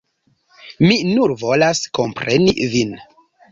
Mi nur volas kompreni vin.